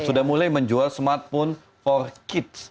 sudah mulai menjual smartphone empat kids